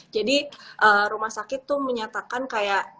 jadi rumah sakit tuh menyatakan kayak